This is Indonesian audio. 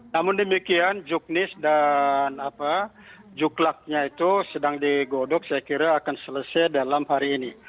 namun demikian juknis dan juklaknya itu sedang digodok saya kira akan selesai dalam hari ini